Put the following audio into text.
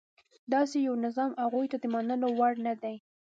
داسې یو نظام هغوی ته د منلو وړ نه دی.